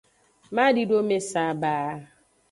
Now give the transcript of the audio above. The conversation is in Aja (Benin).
Madidome saba.